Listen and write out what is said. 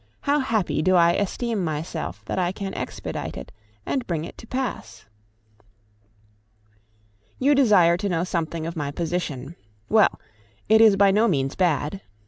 how happy do I esteem myself that I can expedite it and bring it to pass! You desire to know something of my position; well! it is by no means bad.